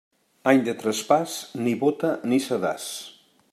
Any de traspàs, ni bóta ni sedàs.